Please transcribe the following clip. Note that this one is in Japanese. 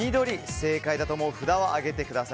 正解だと思う札を上げてください。